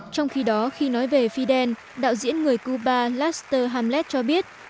trong khi đó khi nói về fidel đạo diễn người cuba laser hamlet cho biết